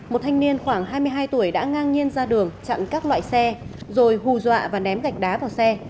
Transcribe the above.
một thanh niên khoảng hai mươi hai tuổi đã ngang nhiên ra đường chặn các loại xe rồi hù dọa và ném gạch đá vào xe